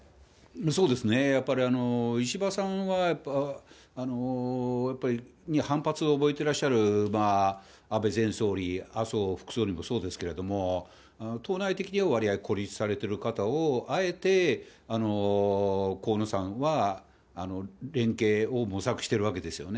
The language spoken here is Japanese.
そうですね、やっぱり石破さんにやっぱ、反発を覚えてらっしゃる安倍前総理、麻生副総理もそうですけど、党内的には割合孤立されている方をあえて河野さんは連携を模索しているわけですよね。